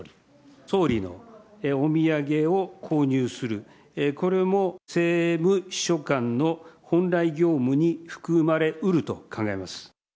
総理のお土産を購入する、これも政務秘書官の本来業務に含まれうると考えます。